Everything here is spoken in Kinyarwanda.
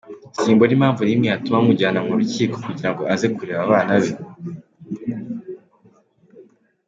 Simbona impamvu n’imwe yatuma mujyana mu rukiko kugira ngo aze kureba abana be.